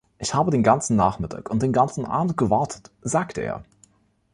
„Ich habe den ganzen Nachmittag und den ganzen Abend gewartet“, sagte er.